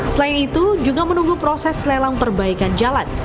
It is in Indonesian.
selain itu juga menunggu proses lelang perbaikan jalan